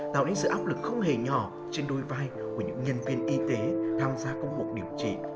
tạo nên sự áp lực không hề nhỏ trên đôi vai của những nhân viên y tế tham gia công cuộc điều trị